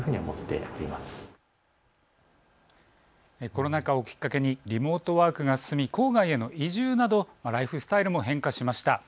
コロナ禍をきっかけにリモートワークが進み郊外への移住などライフスタイルも変化しました。